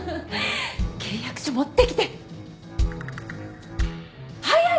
契約書持ってきて！早く！